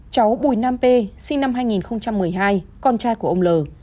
cháu bnp sinh năm hai nghìn một mươi hai con trai của ông l